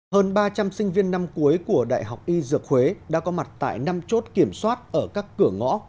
hơn ba trăm linh sinh viên năm cuối của đại học y dược huế đã có mặt tại năm chốt kiểm soát ở các cửa ngõ